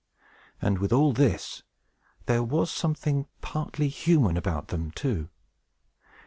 And, with all this, there was something partly human about them, too.